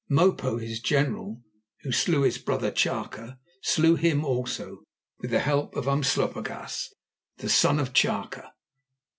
Mopo, his general, who slew his brother Chaka, slew him also with the help of Umslopogaas, the son of Chaka.